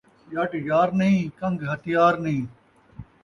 ڄٹ یار نئیں ، کن٘گ ہتھیار نئیں